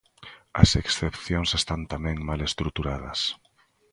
As excepcións están tamén mal estruturadas.